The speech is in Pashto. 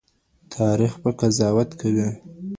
تاریخ به قضاوت کوي.